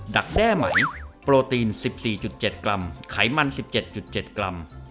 ักแด้ไหมโปรตีน๑๔๗กรัมไขมัน๑๗๗กรัม